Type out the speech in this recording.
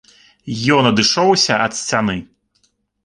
Ён адышоўся ад сцяны.